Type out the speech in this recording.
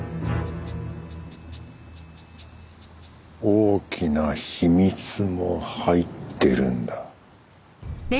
「大きな秘密も入ってるんだ」